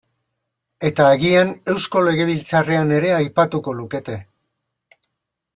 Eta agian Eusko Legebiltzarrean ere aipatuko lukete.